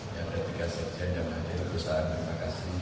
yang ada tiga sekjen yang hadir saya terima kasih